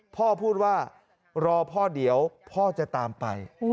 พูดว่ารอพ่อเดี๋ยวพ่อจะตามไป